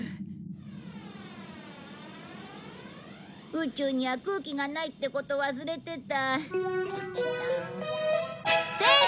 宇宙には空気がないってこと忘れてた。